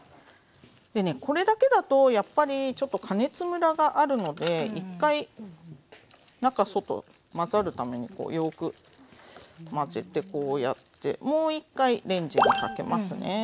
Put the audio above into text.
でねこれだけだとやっぱりちょっと加熱むらがあるので１回中外混ざるためによく混ぜてこうやってもう１回レンジにかけますね。